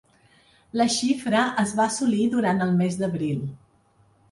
La xifra es va assolir durant el mes d’abril.